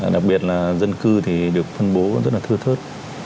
đặc biệt là dân cư thì được phân bố rất là thư thớt